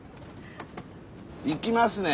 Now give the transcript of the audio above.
行きますね！